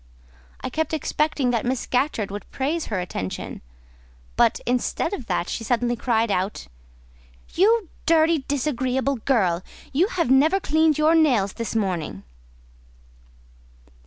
I kept expecting that Miss Scatcherd would praise her attention; but, instead of that, she suddenly cried out— "You dirty, disagreeable girl! you have never cleaned your nails this morning!"